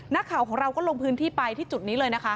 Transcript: นักข่าวของเราก็ลงพื้นที่ไปที่จุดนี้เลยนะคะ